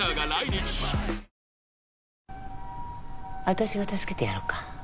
私が助けてやろうか。